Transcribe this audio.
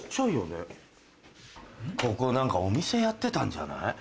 ここ何かお店やってたんじゃない？